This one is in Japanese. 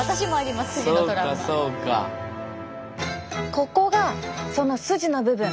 ここがそのスジの部分。